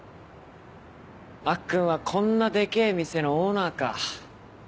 アッくんはこんなでけえ店のオーナーか。